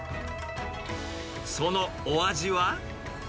そのお味は？